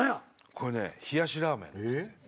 これね冷やしラーメン。